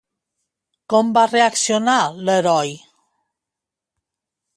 Com va reaccionar l'heroi?